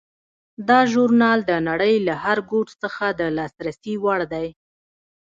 دا ژورنال د نړۍ له هر ګوټ څخه د لاسرسي وړ دی.